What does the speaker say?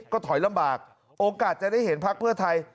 ก็ถอยลำบากโอกาสจะได้เห็นพักเพื่อไทย